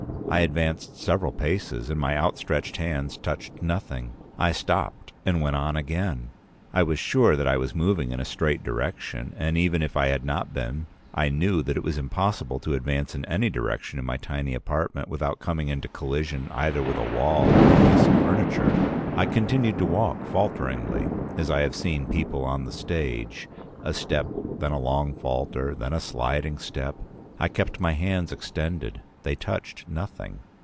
I advanced several paces, and my outstretched hands touched nothing. I stopped and went on again. I was sure that I was moving in a straight direction, and even if I had not been I knew it was impossible to advance in any direction in my tiny apartment without coming into collision either with a wall or a piece of furniture. I continued to walk falteringly, as I have seen people on the stage: a step, then a long falter, then a sliding step. I kept my hands extended; they touched nothing.